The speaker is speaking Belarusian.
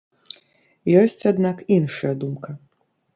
Ёсць аднак іншая думка.